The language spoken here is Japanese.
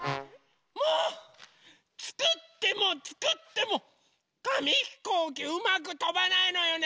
もうつくってもつくってもかみひこうきうまくとばないのよね。